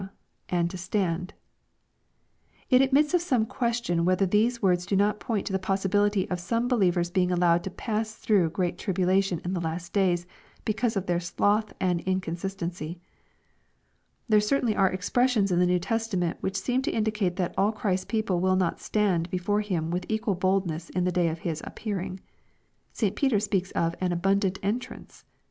and to stand.] It admits of some question whrether these words do not point to the possibility of some believers being allowed to pass through great tribulation in the last days, because of their sloth and inconsistency. There certainly are expressions in the New Testament which seem to indicate that all Christ's people will not " stand" before Him with equal boldness in the day of His appearing. St Peter speaks of an " abundant entrance."